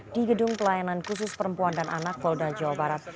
di gedung pelayanan khusus perempuan dan anak polda jawa barat